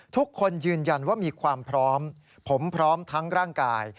ทุกคนยืนยันว่ามีความพร้อมผมพร้อมทั้งร่างกาย